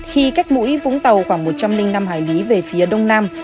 khi cách mũi vũng tàu khoảng một trăm linh năm hải lý về phía đông nam